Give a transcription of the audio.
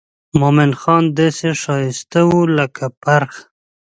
مومن خان داسې ښایسته و لکه پرخه.